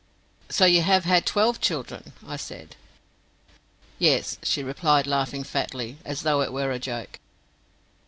"So you have had twelve children?" I said. "Yes," she replied, laughing fatly, as though it were a joke.